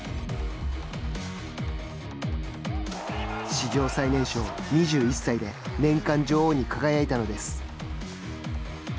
史上最年少、２１歳で年間女王に輝いたのです。